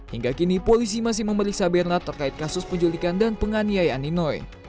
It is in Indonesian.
hingga kini polisi masih memeriksa bernat terkait kasus penyelidikan dan penganiayaan ninoi